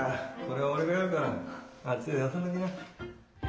これは俺がやるからあっちで休んでおきな。